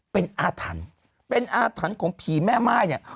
เป็นอาถรรพ์เป็นอาถรรพ์ของผีแม่ม่ายเนี่ย